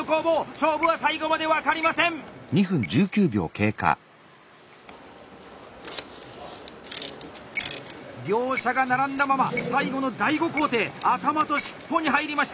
勝負は最後まで分かりません！両者が並んだまま最後の第５工程頭と尻尾に入りました！